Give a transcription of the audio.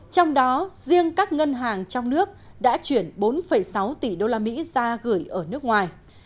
trong đó riêng các ngân hàng trong nước đã chuyển bốn sáu tỷ usd ra gửi ở nước ngoài